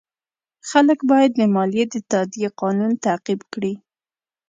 خلک باید د مالیې د تادیې قانون تعقیب کړي.